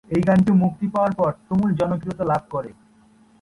এই গান মুক্তি পাওয়ার পর তুমুল জনপ্রিয়তা লাভ করে।